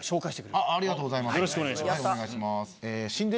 ありがとうございます。